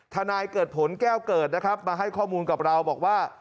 นายเกิดผลแก้วเกิดนะครับมาให้ข้อมูลกับเราบอกว่า